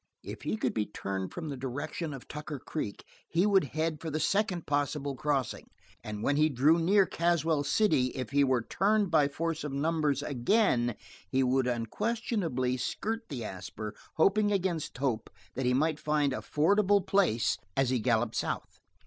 If he could be turned from the direction of Tucker Creek he would head for the second possible crossing, and when he drew near Caswell City if he were turned by force of numbers again he would unquestionably skirt the Asper, hoping against hope that he might find a fordable place as he galloped south.